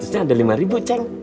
lima ratus nya ada lima ceng